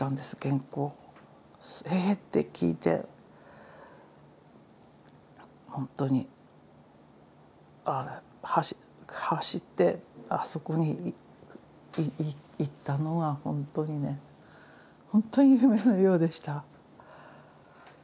ええって聞いてほんとに走ってあそこに行ったのはほんとにねほんとに夢のようでした。